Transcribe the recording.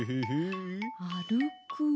あるく。